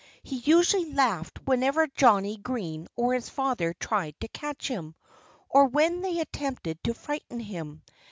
He usually laughed whenever Johnnie Green or his father tried to catch him, or when they attempted to frighten him.